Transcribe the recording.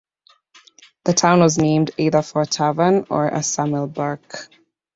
The town was named either for a tavern or a Samuel Burke.